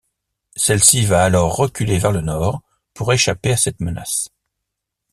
Celle-ci va alors reculer vers le nord pour échapper à cette menace.